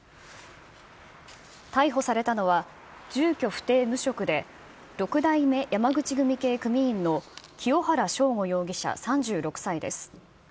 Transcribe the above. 逮捕されたのは、住居不定無職で、六代目山口組系組員の清原昇悟容疑者３６歳です。